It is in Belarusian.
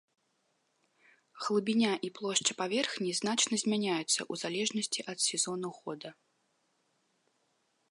Глыбіня і плошча паверхні значна змяняюцца ў залежнасці ад сезону года.